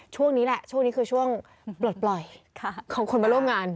ช่วงนี้แหละช่วงนี้คือช่วงปลดปล่อยของคนมาร่วมงาน